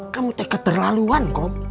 kamu tekat terlaluan